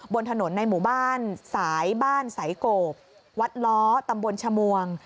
บนถนนในหมู่บ้านสายบ้านสายโกบวัดล้อตำบลชมวง